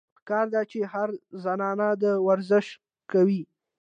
پکار ده چې هره زنانه دا ورزش کوي -